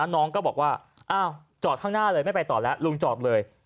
น้องก็บอกว่าอ้าวจอดข้างหน้าเลยไม่ไปต่อแล้วลุงจอดเลย